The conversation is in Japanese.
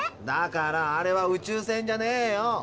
だからあれは宇宙船じゃねえよ。